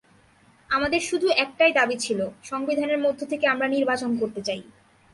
আমাদের শুধু একটাই দাবি ছিল, সংবিধানের মধ্য থেকে আমরা নির্বাচন করতে চাই।